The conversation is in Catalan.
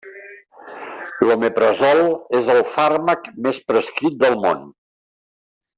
L'omeprazole és el fàrmac més prescrit del món.